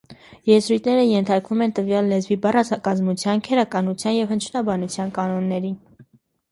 Եզրույթները ենթարկվում են տվյալ լեզվի բառակազմության, քերականության և հնչյունաբանության կանոններին։